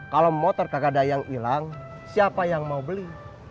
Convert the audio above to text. kalau motor kagak yang hilang siapa yang mau beli